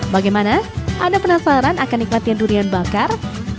bagaimana anda penasaran akan nikmatnya durian bakar